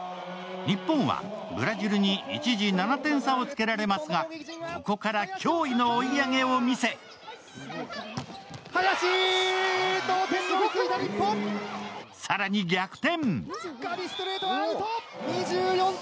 日本はブラジルに一時７点差をつけられますが、ここから驚異の追い上げを見せ更に逆転。